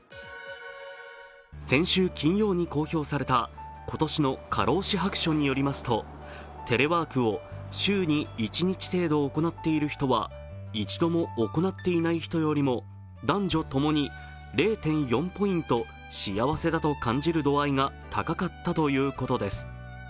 先週金曜日に公表された今年の「過労死白書」によりますとテレワークを週に１日程度行っている人は一度も行っていない人よりは男女ともに０．４ポイント幸せだと感じる度合いが高かったということです。